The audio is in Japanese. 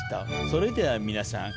それでは皆さん。